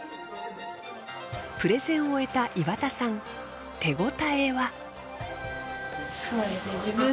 プレゼンを終えた岩田さん手応えは？